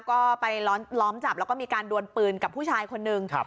ก็ไปล้อมจับแล้วก็มีการดวนปืนกับผู้ชายคนนึง